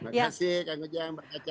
terima kasih kak ujang mbak caca